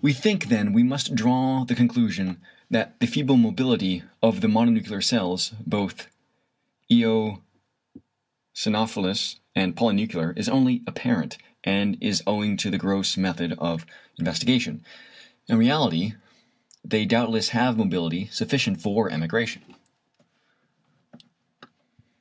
We think then we must draw the conclusion that the feeble mobility of the mononuclear cells, both eosinophilous and polynuclear, is only apparent, and is owing to the gross method of investigation. In reality they doubtless have mobility sufficient for emigration.